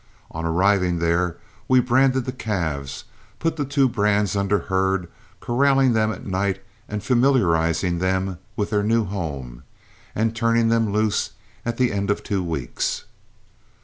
On arriving there we branded the calves, put the two brands under herd, corralling them at night and familiarizing them with their new home, and turning them loose at the end of two weeks.